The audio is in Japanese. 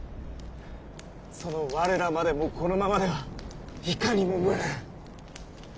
その我らまでもこのままではいかにも無念。